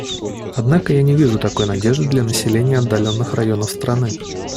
Однако я не вижу такой надежды для населения отдаленных районов страны.